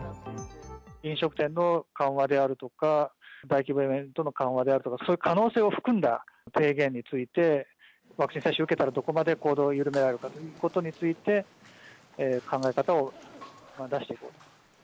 飲食店の緩和であるとか、大規模イベントの緩和であるとか、そういう可能性を含んだ提言について、ワクチン接種を受けたらどこまで行動を緩められるかということについて、考え方を出していこうと。